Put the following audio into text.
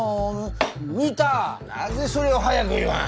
なぜそれを早く言わん？